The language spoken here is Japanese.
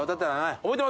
覚えてます？